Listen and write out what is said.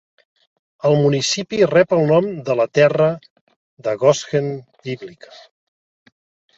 El municipi rep el nom de la Terra de Goshen bíblica.